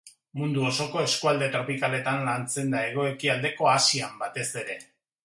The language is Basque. Mundu osoko eskualde tropikaletan lantzen da, Hego-ekialdeko Asian batez ere.